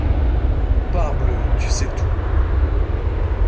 Parbleu! tu sais tout.